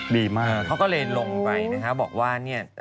ดีมากโรงพยาบาลนี้ค่ะโรงพยาบาลนี้ค่ะเขาก็เลยลงไปนะคะ